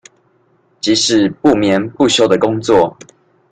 即使不眠不休的工作